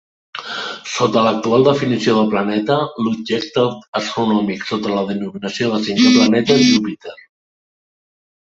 Sota l'actual definició de planeta, l'objecte astronòmic sota la denominació de cinquè planeta és Júpiter.